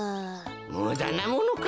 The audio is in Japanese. むだなものか。